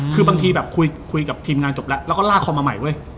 คือบางทีแบบคุยกับทีมงานจบแล้วแล้วก็ลากคอมมาใหม่เว้ย